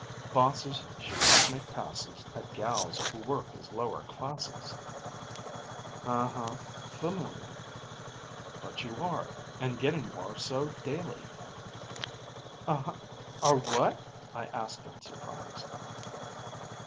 "Bosses should not make passes At gals who work as lower classes." "Uh, huh, familiar." "But you are, and getting more so daily " "Uh hu are what?" I asked in surprise.